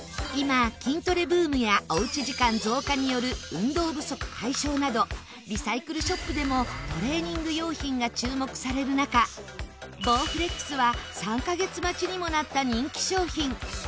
今筋トレブームやおうち時間増加による運動不足解消などリサイクルショップでもトレーニング用品が注目される中ボウフレックスは３カ月待ちにもなった人気商品。